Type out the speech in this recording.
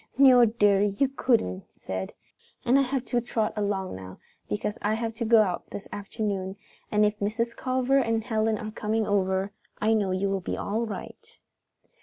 "No, dearie, you couldn't," she said. "And I have got to trot along now because I have to go out this afternoon, and if Mrs. Culver and Helen are coming over, I know you will be all right."